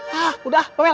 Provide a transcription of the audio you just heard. hah udah ah papel